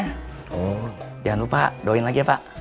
jangan lupa doain lagi ya pak